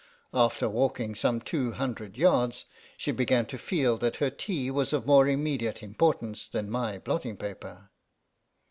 After walking some two hundred yards she began to feel that her tea was of more immediate importance than my blotting paper.